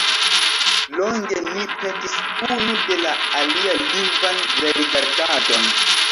Longe ni petis unu de la alia lingvan rerigardadon.